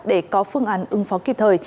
để có phương án ưng phóng kịp thời